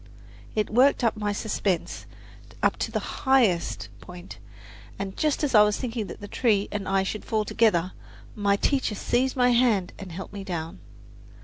It worked my suspense up to the highest point, and just as I was thinking the tree and I should fall together, my teacher seized my hand and helped me down.